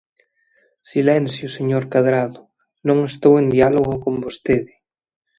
Silencio, señor Cadrado, non estou en diálogo con vostede.